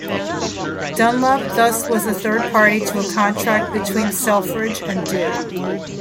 Dunlop thus was a third party to a contract between Selfridge and Dew.